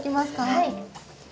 はい。